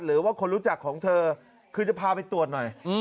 หรือว่าคนรู้จักของเธอคือจะพาไปตรวจหน่อย